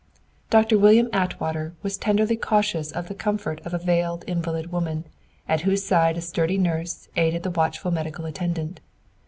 Doctor William Atwater was tenderly cautious of the comfort of a veiled invalid woman, at whose side a sturdy nurse aided the watchful medical attendant.